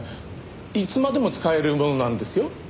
いつまでも使えるものなんですよ。